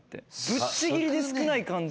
ぶっちぎりで少ない感じ。